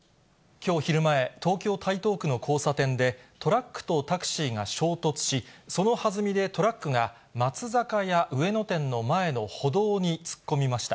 きょう昼前、東京・台東区の交差点で、トラックとタクシーが衝突し、そのはずみでトラックが松坂屋上野店の前の歩道に突っ込みました。